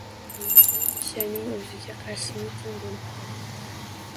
Endi Mishaning o‘ziga qarshi miting bo‘libdi